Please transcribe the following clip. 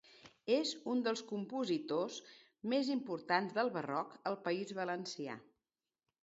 És un dels compositors més importants del Barroc al País Valencià.